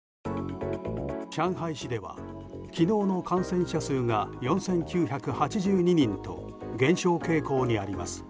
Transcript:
上海市では昨日の感染者数が４９８２人と減少傾向にあります。